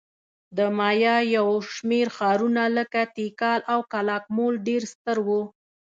د مایا یو شمېر ښارونه لکه تیکال او کالاکمول ډېر ستر وو